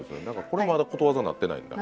これまだことわざになってないんだ。